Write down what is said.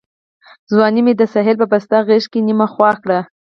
ځواني مي د ساحل په پسته غېږ کي نیمه خوا کړه